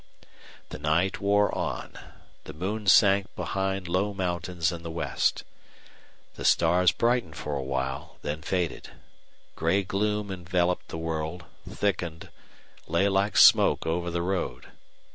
The night wore on. The moon sank behind low mountains in the west. The stars brightened for a while, then faded. Gray gloom enveloped the world, thickened, lay like smoke over the road.